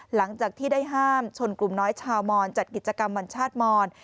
หลังจากที่ได้ห้ามชนกลุ่มน้อยชาวมอนจัดกิจกรรมวันชาติมอน